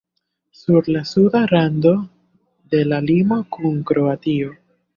Sur la suda rando de la limo kun Kroatio.